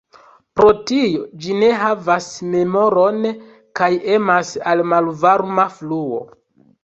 Pro tio ĝi ne havas memoron, kaj emas al malvarma fluo.